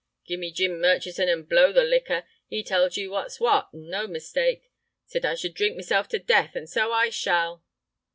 "Give me Jim Murchison and blow the liquor. 'E tells you what's what, and no mistake. Said I sh'ld drink meself to death—and so I shall."